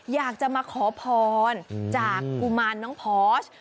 อยากจะมาขอพรจากกุมารน้องพอส